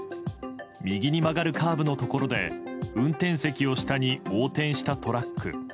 右に曲がるカーブのところで運転席を下に横転したトラック。